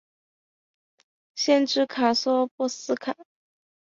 县治卡索波利斯。